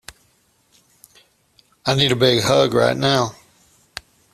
I need a big hug right now.